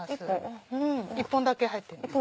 １本だけ入ってるんです。